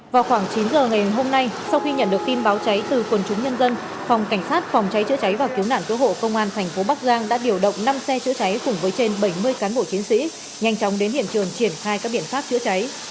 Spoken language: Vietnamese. vào khoảng chín giờ ngày hôm nay sau khi nhận được tin báo cháy từ quần chúng nhân dân phòng cảnh sát phòng cháy chữa cháy và cứu nạn cứu hộ công an thành phố bắc giang đã điều động năm xe chữa cháy cùng với trên bảy mươi cán bộ chiến sĩ nhanh chóng đến hiện trường triển khai các biện pháp chữa cháy